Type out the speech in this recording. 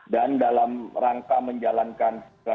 dan dalam rangka menjalankan